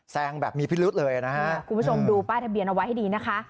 งแบบมีพิรุษเลยนะฮะคุณผู้ชมดูป้ายทะเบียนเอาไว้ให้ดีนะคะ